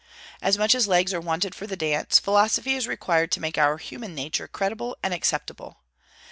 As much as legs are wanted for the dance, Philosophy is required to make our human nature credible and acceptable.